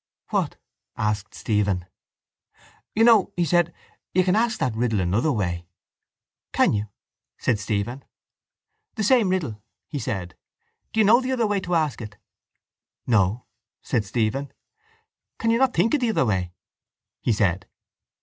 —What? asked Stephen. —You know, he said, you can ask that riddle another way. —Can you? said Stephen. —The same riddle, he said. Do you know the other way to ask it? —No, said Stephen. —Can you not think of the other way? he said.